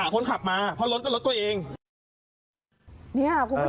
ก็ต้องหาคนขับมาเพราะรถก็รถตัวเอง